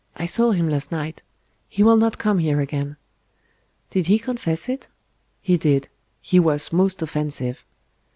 I saw him last night. He will not come here again." "Did he confess it?" "He did. He was most offensive."